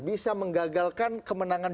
bisa menggagalkan kemenangan